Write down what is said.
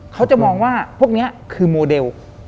เขาจะมองว่าพวกนี้คือโมเดล